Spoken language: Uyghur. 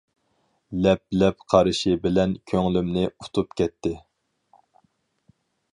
لەپ-لەپ قارىشى بىلەن، كۆڭلۈمنى ئۇتۇپ كەتتى.